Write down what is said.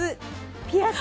ピアス。